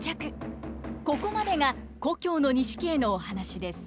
ここまでが「旧錦絵」のお話です。